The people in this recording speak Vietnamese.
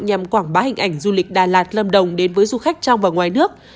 nhằm quảng bá hình ảnh du lịch đà lạt lâm đồng đến với du khách trong và ngoài nước